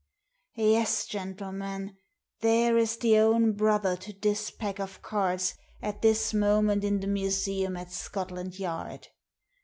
Yes, gentlemen, there is the own brother to this pack of cards at this moment in the museum at Scotland Yard.